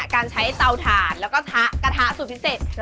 การใช้เตาถ่านแล้วก็กระทะสูตรพิเศษ